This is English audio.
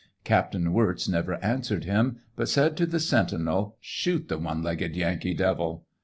Captain Wirz never answered him, but said to the sentinel, " Shoot the one legged Yankee devil."